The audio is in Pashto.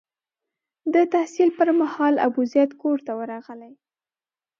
د تحصیل پر مهال ابوزید کور ته ورغلی.